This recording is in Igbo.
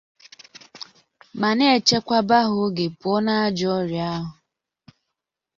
ma na-echekwaba ha oge pụọ n'ajọ ọrịa ahụ.